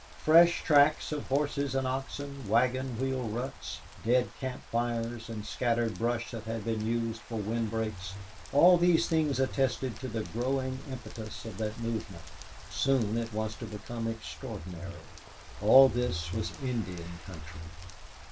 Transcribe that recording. Fresh tracks of horses and oxen, wagon wheel ruts, dead camp fires, and scattered brush that had been used for wind breaks all these things attested to the growing impetus of that movement; soon it was to become extraordinary. All this was Indian country.